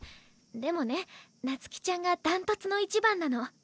でもね夏姫ちゃんが断トツの１番なの。